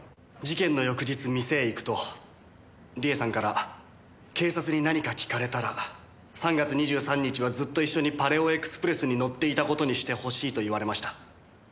事件の翌日店へ行くと理恵さんから警察に何か聞かれたら「３月２３日はずっと一緒にパレオエクスプレスに乗っていた事にしてほしい」と言われました。